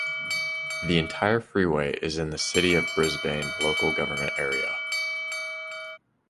The entire freeway is in the City of Brisbane local government area.